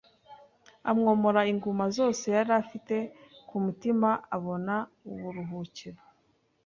amwomora inguma zose yari afite ku mutima abona uburuhukiro